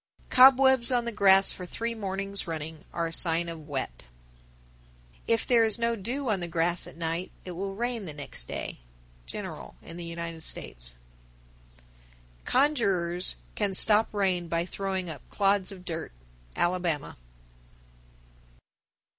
Cobwebs on the grass for three mornings running are a sign of wet. 1009. If there is no dew on the grass at night, it will rain the next day. General in the United States. 1010. Conjurers can stop rain by throwing up clods of dirt. _Alabama.